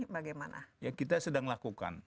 bagaimana ya kita sedang lakukan